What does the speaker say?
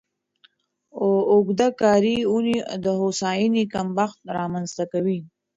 اوږده کاري اونۍ د هوساینې کمښت رامنځته کوي.